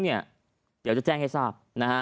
เดี๋ยวจะแจ้งให้ทราบ